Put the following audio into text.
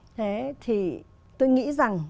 thế thì tôi nghĩ rằng